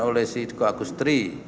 oleh si agustri